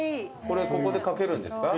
これここで書けるんですか？